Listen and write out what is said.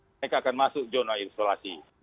mereka akan masuk zona isolasi